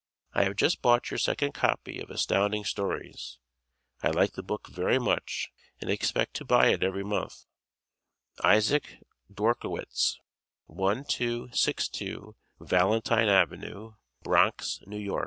I have just bought your second copy of Astounding Stories. I like the book very much, and expect to buy it every month Issac Dworkowits, 1262 Valentine Avenue, Bronx, N. Y.